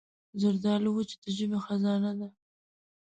زردالو وچ د ژمي خزانه ده.